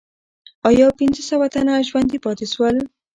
آیا پنځه سوه تنه ژوندي پاتې سول؟